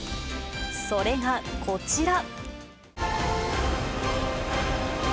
それがこちら。